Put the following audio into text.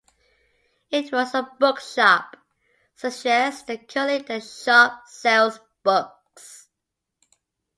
"It was a bookshop" suggests that currently, the shop sells books.